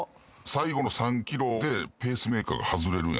最後の３ｋｍでペースメーカーが外れるんやって。